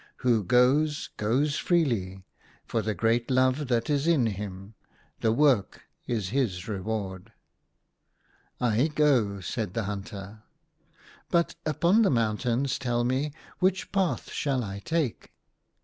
Who goes, goes freely — for the great love that is in him. The work is his reward." " I go," said the hunter ;" but upon the mountains, tell me, which path shall I take